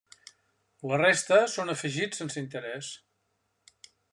La resta, són afegits sense interès.